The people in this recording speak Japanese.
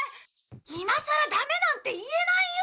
今さらダメなんて言えないよ！